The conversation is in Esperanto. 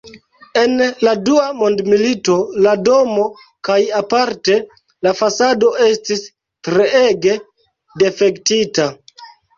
En la Dua Mondmilito la domo kaj aparte la fasado estis treege difektita.